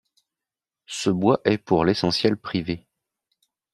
Ce bois est pour l'essentiel privé.